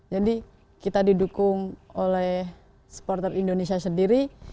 jadi kita didukung oleh supporter indonesia sendiri